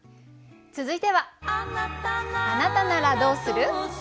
続いては「あなたならどうする？」。